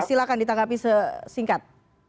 silahkan ditangkapi sesingkat